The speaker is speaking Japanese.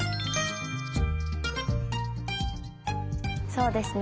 そうですね